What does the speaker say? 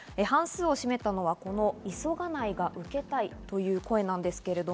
半数を占めたのがこの、急がないが受けたいという声です。